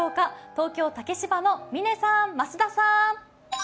東京・竹芝の嶺さん、増田さん。